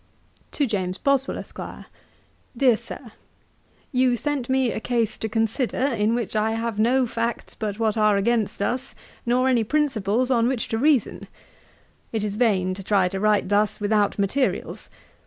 'TO JAMES BOSWELL, ESQ. 'DEAR SIR, 'You sent me a case to consider, in which I have no facts but what are against us, nor any principles on which to reason. It is vain to try to write thus without materials.